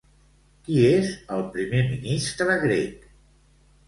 Qui és el primer ministre grec?